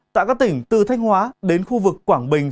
tại các tỉnh từ thanh hóa đến khu vực quảng bình